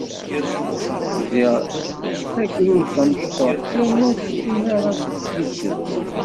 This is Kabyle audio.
Ziɣ d tagrudt tamecṭuḥt, yerna ur tessin ara ad teskiddeb.